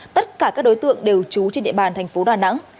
tất cả các đối tượng đều trú trên địa bàn tp đà nẵng